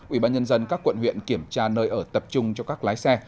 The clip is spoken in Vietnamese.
ủy ban nhân dân các quận huyện kiểm tra nơi ở tập trung cho các lái xe